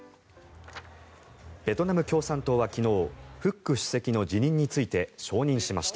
ベトナム共産党は昨日フック主席の辞任について承認しました。